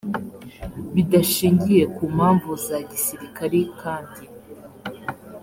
bidashingiye ku mpamvu za gisirikari kandi